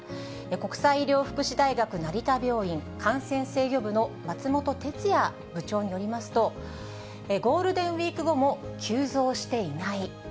国際医療福祉大学成田病院感染制御部の松本哲哉部長によりますと、ゴールデンウィーク後も急増していない。